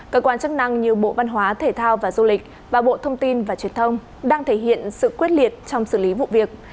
cơ quan chức năng như bộ văn hóa thể thao và du lịch và bộ thông tin và truyền thông đang thể hiện sự quyết liệt trong xử lý vụ việc